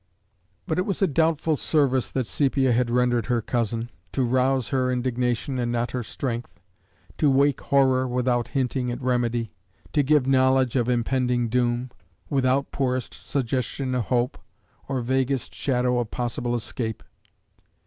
But it was a doubtful service that Sepia had rendered her cousin to rouse her indignation and not her strength; to wake horror without hinting at remedy; to give knowledge of impending doom, without poorest suggestion of hope, or vaguest shadow of possible escape.